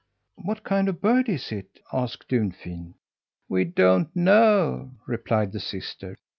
"What kind of a bird is it?" asked Dunfin. "We don't know," replied the sister.